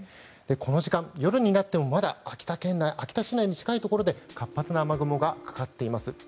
この時間、夜になってもまだ秋田市内の近いところで活発な雨雲がかかっています。